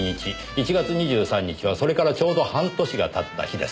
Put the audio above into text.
１月２３日はそれからちょうど半年が経った日です。